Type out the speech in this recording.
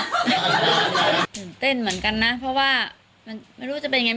ตื่นเต้นเหมือนกันนะเพราะว่ามันไม่รู้จะเป็นยังไง